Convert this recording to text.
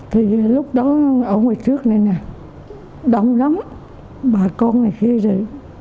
thì lúc đó ở ngoài trước này nè đông lắm bà con này khê rồi